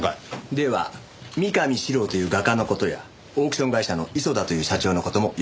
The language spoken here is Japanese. では三上史郎という画家の事やオークション会社の磯田という社長の事もよくご存じで？